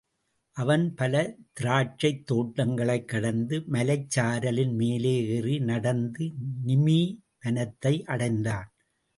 அவன் பல திராட்சைத் தோட்டங்களைக் கடந்து, மலைச்சாரலின் மேலே ஏறி நடந்து நிமீ வனத்தை அடைந்தான்.